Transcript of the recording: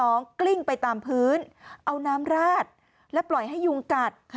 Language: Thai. กลิ้งไปตามพื้นเอาน้ำราดและปล่อยให้ยุงกัด